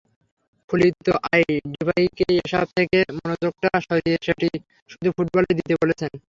খুলিত তাই ডিপাইকে এসব থেকে মনোযোগটা সরিয়ে সেটি শুধু ফুটবলেই দিতে বলছেন।